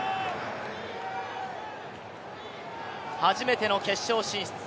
初めての決勝進出